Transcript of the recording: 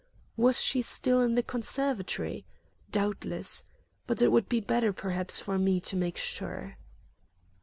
Was she still in the conservatory? Doubtless. But it would be better perhaps for me to make sure.